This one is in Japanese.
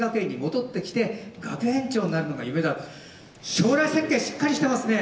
将来設計しっかりしてますね。